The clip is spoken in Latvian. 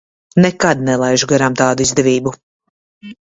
Nekad nelaižu garām tādu izdevību.